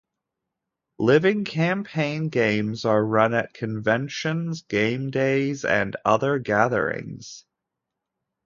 Living campaign games are run at conventions, game days and other gatherings.